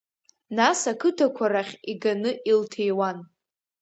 Нас ақыҭақәа рахь иганы илҭиуан.